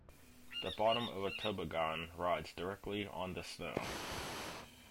The bottom of a toboggan rides directly on the snow.